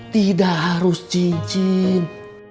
tidak harus cincin